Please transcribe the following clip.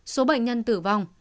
số bệnh nhân tử vong